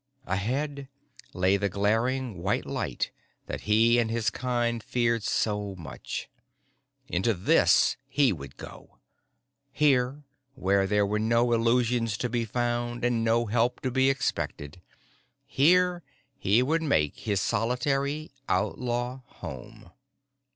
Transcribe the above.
Ahead lay the glaring white light that he and his kind feared so much. Into this he would go. Here, where there were no illusions to be found and no help to be expected, here he would make his solitary outlaw home.